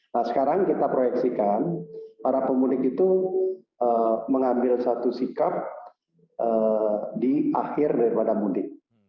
nah sekarang kita proyeksikan para pemudik itu mengambil satu sikap di akhir daripada mudik